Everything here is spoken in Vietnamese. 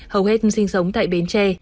hầu hết sinh sống tại bến tre